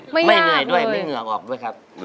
เหนื่อยด้วยไม่เหงื่อออกด้วยครับ